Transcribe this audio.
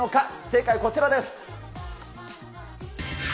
正解、こちらです。